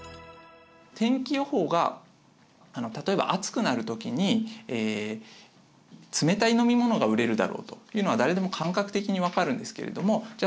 天気予報が例えば暑くなる時に冷たい飲み物が売れるだろうというのは誰でも感覚的に分かるんですけれどもじゃあ